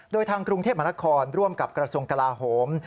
ด้วยทางกรุงเทพมนฆร่วมกับสงคราหมส์